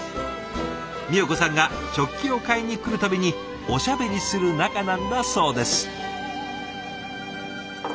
みよ子さんが食器を買いに来る度におしゃべりする仲なんだそうです。